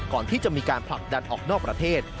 ก่อนที่จะมีการผลักดันออกนอกประเทศ